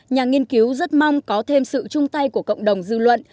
nhà nghiên cứu rất mong có thêm sự chung tay của cộng đồng dư luận